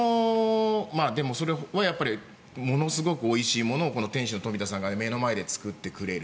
それはものすごくおいしいものをこの店主の富田さんが目の前で作ってくれる。